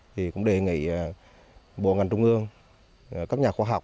thì cũng đề nghị bộ ngành trung ương các nhà khoa học